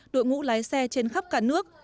đội ngũ lái xe trên khắp cả nước